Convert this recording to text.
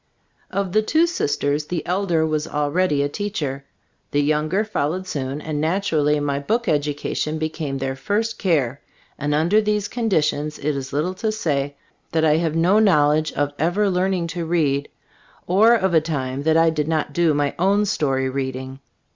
Of the two sisters, the elder was al ready a teacher. The younger fol lowed soon, and naturally my book ed ucation became their first care, and under these conditions it is little to say, that I have no knowledge of ever 18 XZbt Stores of As Cbll&boofc learning to read, or of a time that I did not do my own story reading.